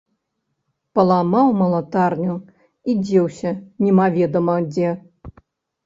Паламаў малатарню і дзеўся немаведама дзе.